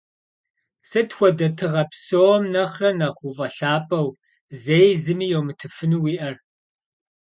Сыт хуэдэ тыгъэ псом нэхърэ нэхъ уфӏэлъапӏэу, зэи зыми йумытыфыну уиӏэр?